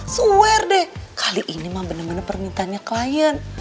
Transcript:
swear deh kali ini mah bener bener permintaannya klien